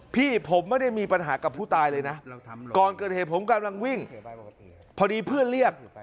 พี่ผมไม่ได้มีปัญหากับผู้ตายเลยนะก่อนเกิดเหตุผมกำลังวิ่งพอดีเพื่อนเรียก